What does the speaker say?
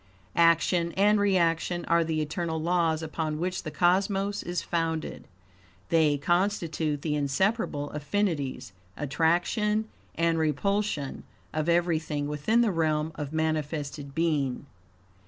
Action and reaction are the eternal laws upon which the cosmos is founded. They constitute the inseparable affinities, attraction and repulsion, of everything within the realm of manifested being.